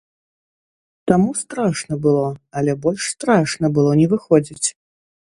Таму страшна было, але больш страшна было не выходзіць.